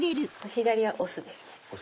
左は押すですね。